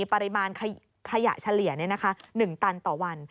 ปริมาณขยะเฉลี่ย๑ตันต่อวัน